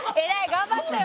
頑張ったよ。